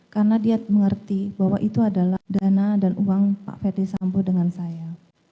karena dia mengerti bahwa itu adalah dana dan uang pak fethi sampo dengan saya